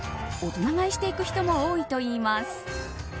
大人買いしていく人も多いといいます。